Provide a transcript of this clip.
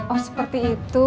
oh seperti itu